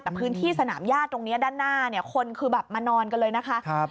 แต่พื้นที่สนามญาติตรงนี้ด้านหน้าเนี่ยคนคือแบบมานอนกันเลยนะคะ